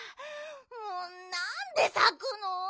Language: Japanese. もうなんでさくの？